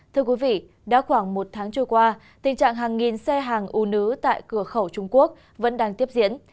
thưa quý vị đã khoảng một tháng trôi qua tình trạng hàng nghìn xe hàng u nứ tại cửa khẩu trung quốc vẫn đang tiếp diễn